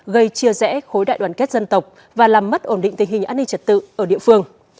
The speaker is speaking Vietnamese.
gây chia rẽ khối đại đoàn kết dân tộc và làm mất ổn định tình hình an ninh trật tự ở địa phương